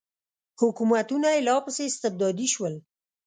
حکومتونه یې لا پسې استبدادي شول.